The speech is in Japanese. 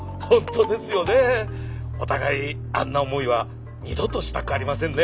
お互いあんな思いは二度としたくありませんね。